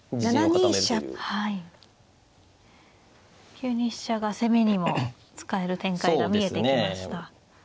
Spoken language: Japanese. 急に飛車が攻めにも使える展開が見えてきました。